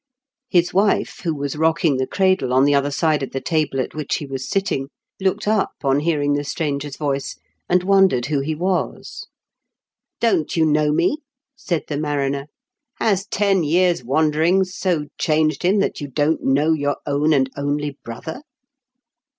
His wife, who was rocking the cradle on the other side of the table at which he was sitting, looked up on hearing the stranger's voice, and wondered who he was. "Don't you know me ?" said the mariner. "Has ten years' wanderings so changed him that you don't know your own and only brother